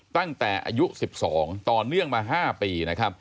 ตั้งแต่อายุ๑๒ต่อเนื่องมา๕ปี